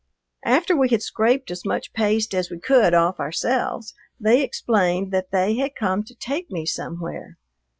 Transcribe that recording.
After we had scraped as much paste as we could off ourselves they explained that they had come to take me somewhere.